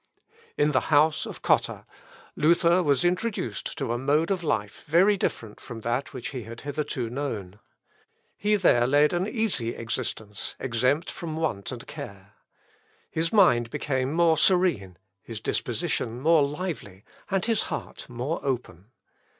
In the house of Cotta, Luther was introduced to a mode of life very different from that which he had hitherto known. He there led an easy existence, exempt from want and care. His mind became more serene, his disposition more lively, and his heart more open.